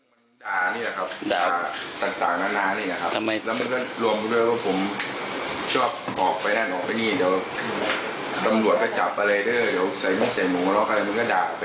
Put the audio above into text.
เวลาไปไกลมันก็บอกตรงนี้นั่นมันก็หวังดีนะครับ